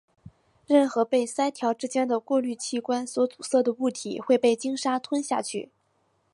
任何被鳃条之间的过滤器官所阻塞的物体会被鲸鲨吞下去。